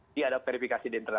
ini ada verifikasi di internal